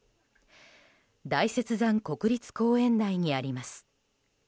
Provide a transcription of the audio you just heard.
大雪山国立公園内にあります。